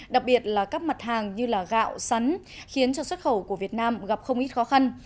đặc biệt là các mặt hàng như gạo sắn khiến cho xuất khẩu của việt nam gặp không ít khó khăn